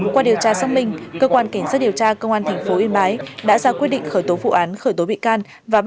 qua điều tra xong mình cơ quan kiểm soát điều tra công an tp yên bái đã ra quyết định khởi tố vụ án khởi tố bị can